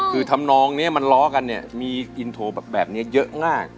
คือทำนองนี้มันล้อกันเนี่ยมีอินโทรแบบนี้เยอะมาก